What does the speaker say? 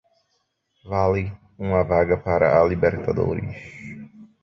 Vale uma vaga para a Libertadores.